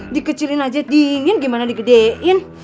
dikecilin aja dingin gimana digedein